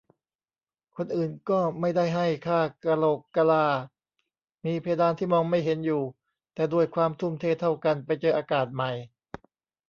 คนอื่นก็ไม่ได้ให้ค่า "กะโหลกกะลา" มีเพดานที่มองไม่เห็นอยู่ แต่ด้วยความทุ่มเทเท่ากัน ไปเจออากาศใหม่